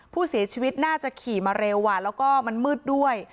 ผู้เสียชีวิตน่าจะขี่มาเร็วแล้วก็มันมืดด้วย